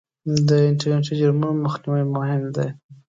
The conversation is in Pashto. د انټرنېټي جرمونو مخنیوی مهم دی.